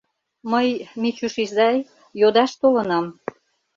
— Мый, Мичуш изай, йодаш толынам...